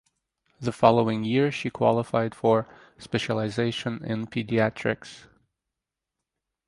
The following year she qualified for specialization in pediatrics.